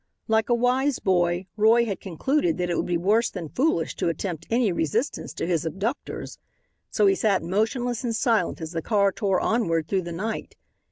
Like a wise boy, Roy had concluded that it would be worse than foolish to attempt any resistance to his abductors. So he sat motionless and silent as the car tore onward through the night.